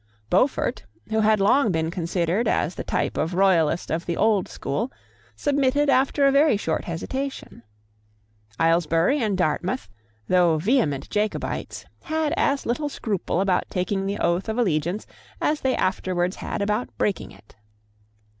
Beaufort, who had long been considered as the type of a royalist of the old school, submitted after a very short hesitation. Aylesbury and Dartmouth, though vehement Jacobites, had as little scruple about taking the oath of allegiance as they afterwards had about breaking it.